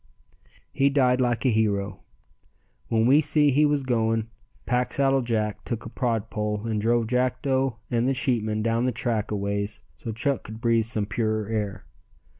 He died like a hero. When we see he was going, Packsaddle Jack took a prod pole and drove Jackdo and the sheepmen down the track a ways so Chuck could breathe some purer air.